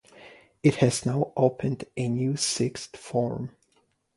It has now opened a new Sixth Form.